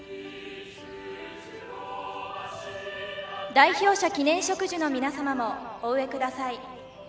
代表者記念植樹の皆様もお植えください。